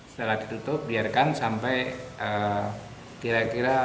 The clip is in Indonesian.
setelah ditutup biarkan sampai kira kira